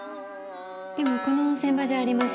でもこの温泉場じゃありませんわ。